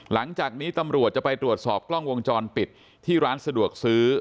หลังจากนี้ตำรวจจะไปตรวจสอบกล้องวงจรปิดที่ร้านสะดวกซื้อ